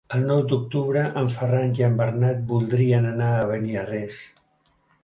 El nou d'octubre en Ferran i en Bernat voldrien anar a Beniarrés.